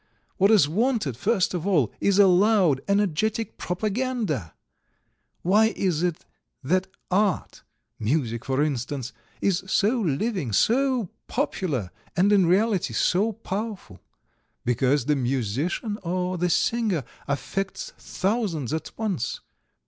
What is wanted, first of all, is a loud, energetic propaganda. Why is it that art music, for instance is so living, so popular, and in reality so powerful? Because the musician or the singer affects thousands at once.